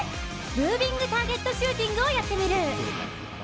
ムービングターゲットシューティングをやってみる。